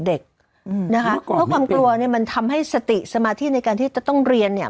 เพราะความกลัวเนี่ยมันทำให้สติสมาธิในการที่จะต้องเรียนเนี่ย